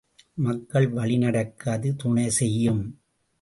மக்கள் வழி நடக்க அது துணை செய்யும்.